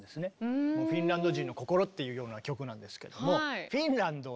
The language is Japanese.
フィンランド人の心っていうような曲なんですけども。